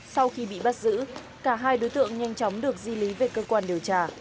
sau khi bị bắt giữ cả hai đối tượng nhanh chóng được di lý về cơ quan điều tra